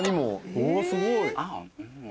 おっすごい。